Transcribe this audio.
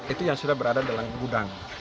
itu yang sudah berada dalam gudang